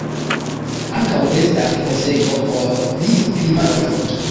Ankaŭ estas ripozejo por pilgrimantoj.